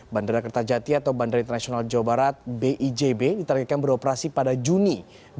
bandara kertajati atau bandara internasional jawa barat bijb ditargetkan beroperasi pada juni dua ribu dua puluh